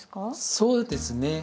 そうですね。